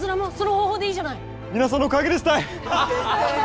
皆さんのおかげですたい！